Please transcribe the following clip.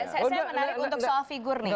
saya menarik untuk soal figur nih